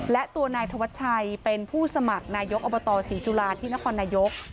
และตัวนายธวัชชัยเป็นผู้สมัครนายกอบตศรีจุฬาที่นครนายก